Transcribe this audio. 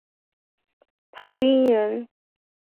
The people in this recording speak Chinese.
陶弼人。